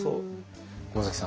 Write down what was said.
駒崎さん